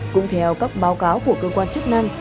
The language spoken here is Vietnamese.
cũng theo các báo cáo của cơ quan chức năng